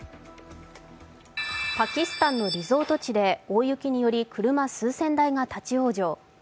パキスタンのリゾート地で大雪により車数千台が立往生。